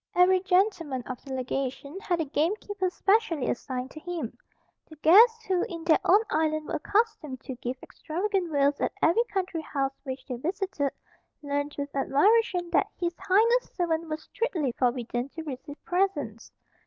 Every gentleman of the legation had a gamekeeper specially assigned to him. The guests, who, in their own island were accustomed to give extravagant vails at every country house which they visited, learned, with admiration, that His Highness's servants were strictly forbidden to receive presents.